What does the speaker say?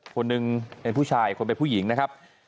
คนหนึ่งเป็นผู้ชายคนเป็นผู้หญิงนะครับ